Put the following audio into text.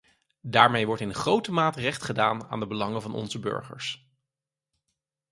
Daarmee wordt in grote mate recht gedaan aan de belangen van onze burgers.